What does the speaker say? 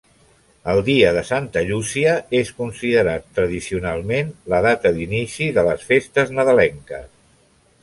El dia de Santa Llúcia és considerat tradicionalment la data d'inici de les festes nadalenques.